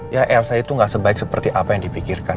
ya elsa itu gak sebaik seperti apa yang dipikirkan